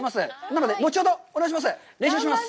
なので、後ほどお願いします。